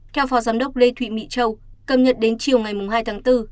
theo phó giám đốc lê thụy mỹ châu cầm nhận đến chiều ngày hai tháng bốn